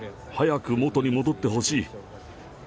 早く元に戻ってほしい。